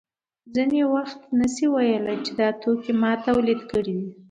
هېڅوک نشي ویلی چې دا توکی ما تولید کړی دی